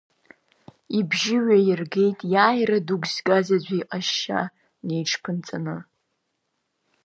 Ибжьы ҩаиргеит иааира дук згаз аӡәы иҟазшьа ниҽԥынҵаны.